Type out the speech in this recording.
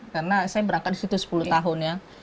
karena saya berangkat di situ sepuluh tahun